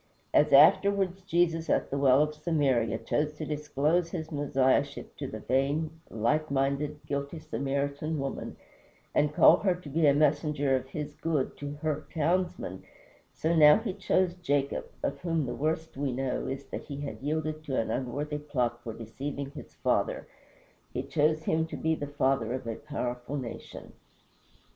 As afterwards Jesus, at the well of Samaria, chose to disclose his Messiahship to the vain, light minded, guilty Samaritan woman, and call her to be a messenger of his good to her townsmen, so now he chose Jacob of whom the worst we know is that he had yielded to an unworthy plot for deceiving his father he chose him to be the father of a powerful nation.